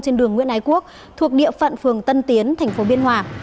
trên đường nguyễn ái quốc thuộc địa phận phường tân tiến tp biên hòa